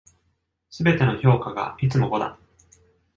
全ての評価がいつも五だ。